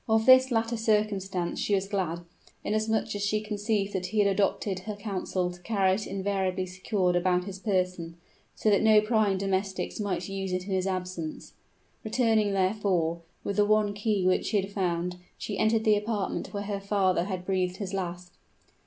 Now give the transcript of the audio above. Of this latter circumstance she was glad; inasmuch as she conceived that he had adopted her counsel to carry it invariably secured about his person, so that no prying domestics might use it in his absence. Returning, therefore, with the one key which she had found, she entered the apartment where her father had breathed his last.